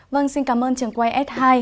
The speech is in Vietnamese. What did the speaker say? vâng xin cảm ơn trường quay s hai